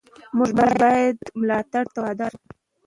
موږ باید دې ملاتړ ته وفادار اوسو.